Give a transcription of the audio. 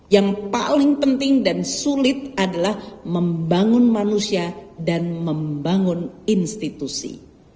yang paling penting dan sulit adalah membangun manusia dan membangun institusi